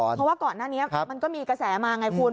เพราะว่าก่อนหน้านี้มันก็มีกระแสมาไงคุณ